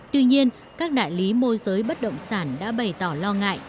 tuy nhiên các đại lý môi giới bất động sản đã bày tỏ lo ngại